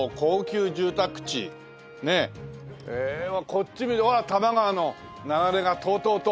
こっち見るとほら多摩川の流れがとうとうと。